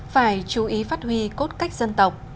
phải chú ý phát huy cốt cách dân tộc